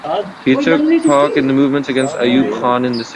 He took part in the movements against Ayub Khan in the sixties.